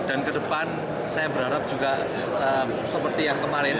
ke depan saya berharap juga seperti yang kemarin